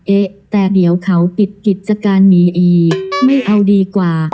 เอ๊ะแต่เดี๋ยวเขาปิดกิจการหนีอีกไม่เอาดีกว่า